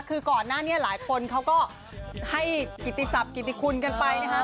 คือก่อนหน้านี้หลายคนเขาก็ให้กิติศัพทกิติคุณกันไปนะคะ